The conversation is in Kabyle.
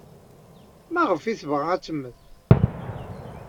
Maɣef ay tebɣa ad temmet?